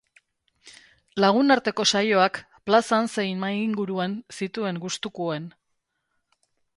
Lagunarteko saioak, plazan zein mahai inguruan, zituen gustukuen.